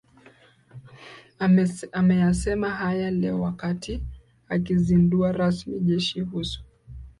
Ameyasema hayo leo wakati akizindua rasmi Jeshi Usu